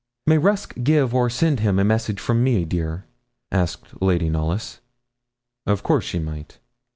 'May Rusk give or send him a message from me, dear?' asked Lady Knollys. Of course she might.